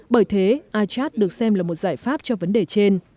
bởi thế achat được xem là một giải pháp cho vấn đề trên